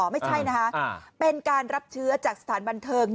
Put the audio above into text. ไม่ใช่นะคะเป็นการรับเชื้อจากสถานบันเทิง